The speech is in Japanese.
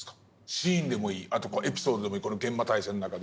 シーンでもいいあとエピソードでもいいこの「幻魔大戦」の中で。